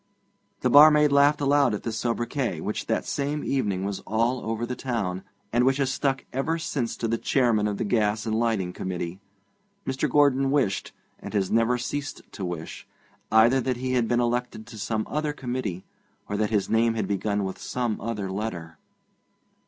The barmaid laughed aloud at this sobriquet, which that same evening was all over the town, and which has stuck ever since to the Chairman of the Gas and Lighting Committee. Mr. Gordon wished, and has never ceased to wish, either that he had been elected to some other committee, or that his name had begun with some other letter.